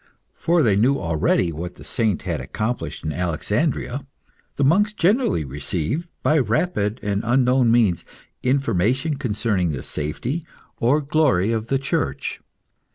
For they knew already what the saint had accomplished in Alexandria. The monks generally received, by rapid and unknown means, information concerning the safety or glory of the Church.